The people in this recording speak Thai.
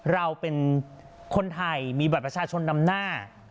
เราเป็นคนไทยมีบัตรประชาชนนำหน้า